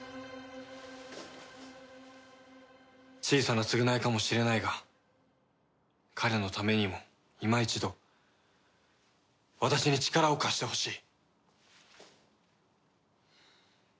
小さな償いかもしれないが彼のためにもいま一度私に力を貸してほしい。